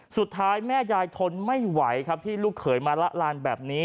สุดท้ายแม่ยายทนไม่ไหวครับที่ลูกเขยมาละลานแบบนี้